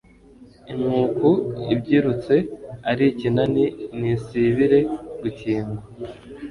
Inkuku ibyirutse ari ikinani; Ntisibire gukingwa,